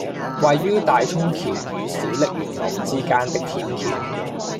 位於大涌橋與小瀝源路之間的天橋